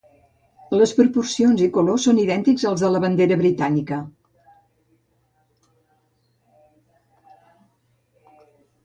Les proporcions i colors són idèntics als de la bandera britànica.